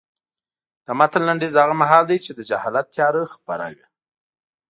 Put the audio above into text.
د متن لنډیز هغه مهال دی چې د جهالت تیاره خپره وه.